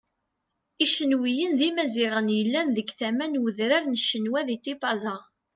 Icenwiyen d Imaziɣen yellan deg tama n udran n Cenwa di Tipaza.